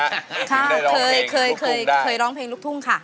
เคยได้ร้องเพลงลุกทุ่งได้ค่ะเคยเคยร้องเพลงลุกทุ่งค่ะ